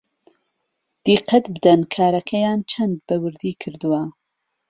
دیقەت بدەن کارەکەیان چەند بەوردی کردووە